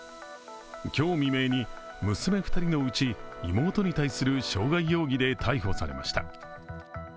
今日未明に、娘２人のうち妹に対する傷害容疑で逮捕されました。